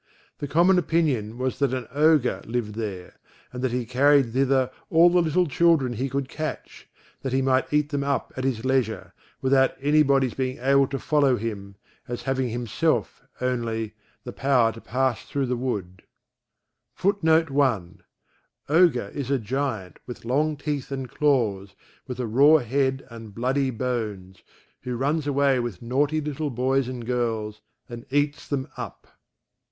The common opinion was that an Ogre lived there, and that he carried thither all the little children he could catch, that he might eat them up at his leisure, without any body's being able to follow him, as having himself, only, the power to pass thro' the wood. [Footnote 1: OGRE is a giant, with long teeth and claws, with a raw head and bloody bones, who runs away with naughty little boys and girls, and eats them up.